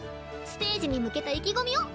ステージに向けた意気込みを！